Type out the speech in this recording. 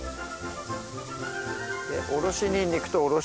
おろしにんにくとおろししょうが。